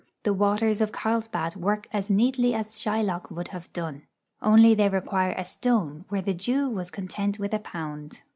The waters of Carlsbad work as neatly as Shylock would have done; only they require a stone where the Jew was content with a pound.